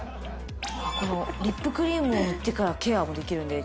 このリップクリームを塗ってからケアもできるんで。